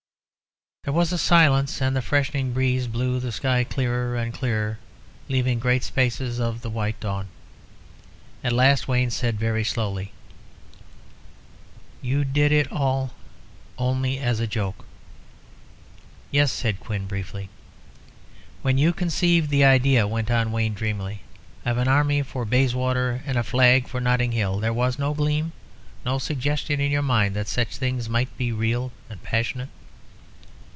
There was silence, and the freshening breeze blew the sky clearer and clearer, leaving great spaces of the white dawn. At last Wayne said, very slowly "You did it all only as a joke?" "Yes," said Quin, briefly. "When you conceived the idea," went on Wayne, dreamily, "of an army for Bayswater and a flag for Notting Hill, there was no gleam, no suggestion in your mind that such things might be real and passionate?"